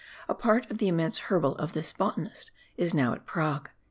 A part of the immense herbal of this botanist is now at Prague.)